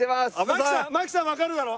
槙さん槙さんわかるだろ？